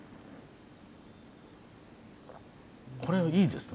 これいいですね。